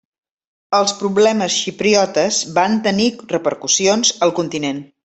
Els problemes xipriotes van tenir repercussions al continent.